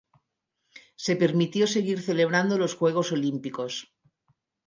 Se permitió seguir celebrando los juegos olímpicos.